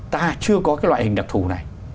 ta chưa có cái loại hình đặc thù này